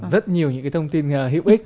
rất nhiều những cái thông tin hiệu ích